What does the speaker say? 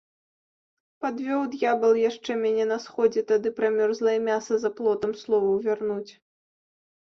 Падвёў д'ябал яшчэ мяне на сходзе тады пра мёрзлае мяса за плотам слова ўвярнуць.